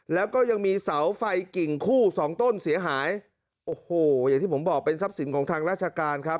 แล้วก็ยังมีเสาไฟกิ่งคู่สองต้นเสียหายโอ้โหอย่างที่ผมบอกเป็นทรัพย์สินของทางราชการครับ